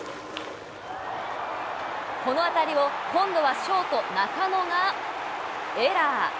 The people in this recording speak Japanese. この当たりを今度はショート、中野がエラー。